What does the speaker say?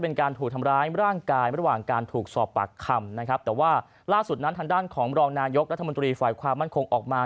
ปูชมไปสมมา